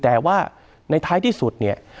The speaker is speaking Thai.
แต่ว่าในท้ายที่สุดเนี่ย